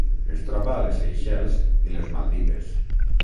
Es troba a les Seychelles i les Maldives.